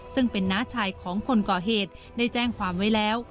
ซึ่งเป็นน้าชายของคนก่อเหตุได้แจ้งความไว้แล้ว